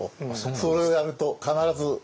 それをやると必ず。